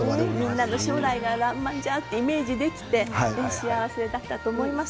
「みんなの将来がらんまんじゃ」ってイメージできて幸せだったと思います